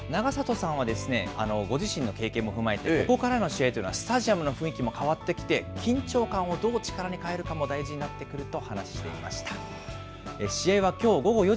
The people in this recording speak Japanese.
永里さんはですね、ご自身の経験も踏まえて、ここからの試合というのは、スタジアムの雰囲気も変わってきて、緊張感をどう力に変えるかも大事になってくると話していました。